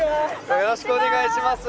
よろしくお願いします。